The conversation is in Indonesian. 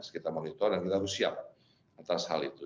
kita monitor dan kita harus siap atas hal itu